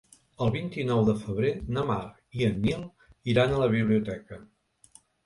El vint-i-nou de febrer na Mar i en Nil iran a la biblioteca.